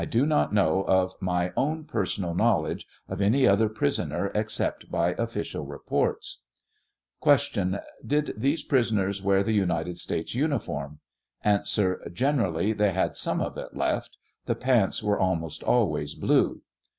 do not know of my own personal knowledge of any other prisoner except by official re ports. Q. did these prisoners wear the United States uni form ? A. Generally they had some of it left ; the pants were almost always blue.